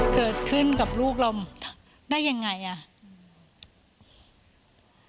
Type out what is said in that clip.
เกิดขึ้นกับลูกเราได้อย่างไร